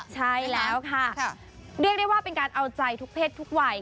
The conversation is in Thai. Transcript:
ใช่แล้วค่ะเรียกได้ว่าเป็นการเอาใจทุกเพศทุกวัย